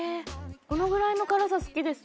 このぐらいの辛さ好きです。